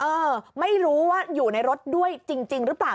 เออไม่รู้ว่าอยู่ในรถด้วยจริงหรือเปล่า